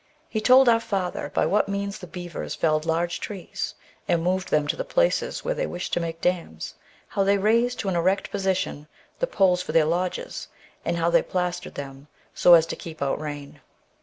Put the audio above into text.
He told our father by what means the beavers felled large trees, and moved them to the places where they wished to make dams ; how they raised to an erect position the poles for their lodges, and how they plastered them so as to keep out rain.